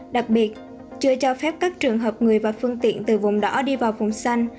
đặc biệt chưa cho phép các trường hợp người và phương tiện từ vùng đỏ đi vào vùng xanh